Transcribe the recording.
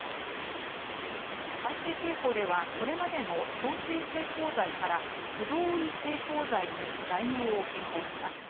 改正刑法ではこれまでの強制性交罪から不同意性交罪に罪名を変更します。